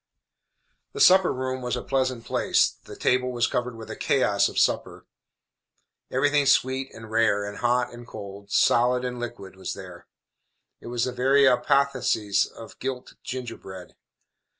The supper room was a pleasant place. The table was covered with a chaos of supper. Everything sweet and rare, and hot and cold, solid and liquid, was there. It was the very apotheosis of gilt gingerbread.